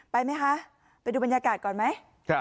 ไปไหมคะไปดูบรรยากาศก่อนไหม